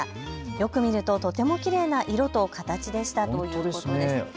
よく見るととてもきれいな色と形でしたということです。